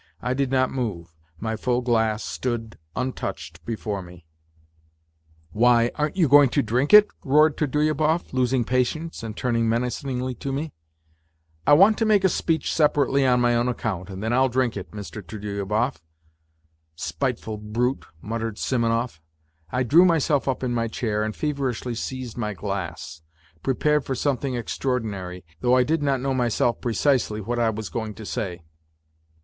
I did not move; my full glass stood untouched before me. 110 NOTES FROM UNDERGROUND " Why, aren't you going to drink it ?" roared Trudolyubov, losing patience and turning menacingly to me. " I want to make a speech separately, on my own account ... and then I'D drink it, Mr. Trudolyubov." " Spiteful brute !" muttered Simonov. I drew myself up in my chair and feverislily seized my glass, prepared for something extraordinary, though I did not know myself precisely wh. I was going to say.